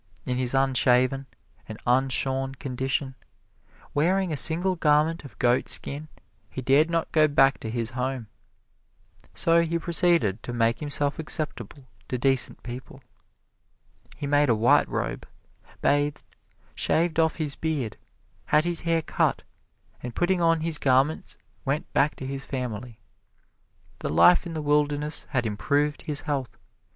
In his unshaven and unshorn condition, wearing a single garment of goatskin, he dared not go back to his home. So he proceeded to make himself acceptable to decent people. He made a white robe, bathed, shaved off his beard, had his hair cut, and putting on his garments, went back to his family. The life in the wilderness had improved his health.